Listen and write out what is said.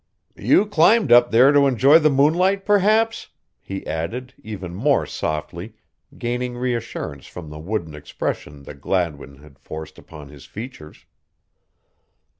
"You climbed up there to enjoy the moonlight, perhaps?" he added, even more softly, gaining reassurance from the wooden expression that Gladwin had forced upon his features.